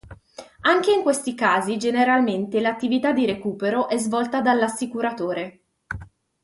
Anche in questi casi generalmente l'attività di recupero è svolta dall'Assicuratore.